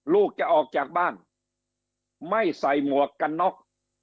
ลูกจะออกจากบ้านไม่ใส่หมวกกันน็อก